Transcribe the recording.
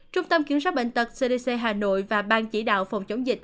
trung tâm kiểm soát bệnh tật cdc hà nội và ban chỉ đạo phòng chống dịch